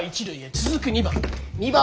続く２番。